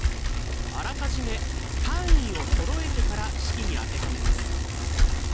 あらかじめ単位をそろえてから式に当てはめます。